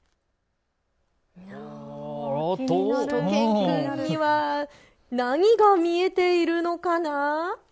しゅと犬くんには何が見えているのかな。